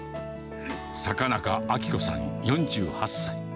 坂中明子さん４８歳。